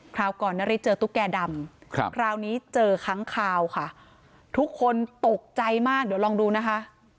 คราวก่อนนาริสเจอตุ๊กแก่ดำคราวนี้เจอค้างคาวค่ะทุกคนตกใจมากเดี๋ยวลองดูนะคะ